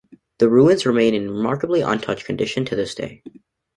The ruins remain in remarkably untouched condition to this day.